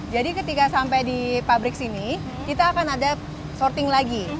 jadi ketika sampai di pabrik sini kita akan ada sorting lagi